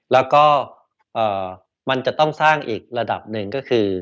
แล้วก็มันจะต้องสร้างอีกระดับหนึ่งก็คือ